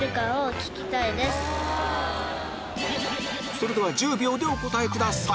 それでは１０秒でお答えください